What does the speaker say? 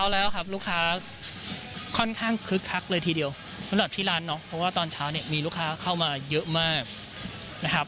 แล้วพระมวงลึกในใจว่ามันจะไม่กลับไปแบบนั้นแล้วครับ